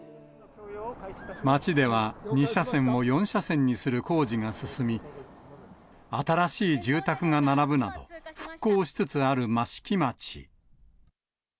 町では、２車線を４車線にする工事が進み、新しい住宅が並ぶなど、復興しつつある益城町。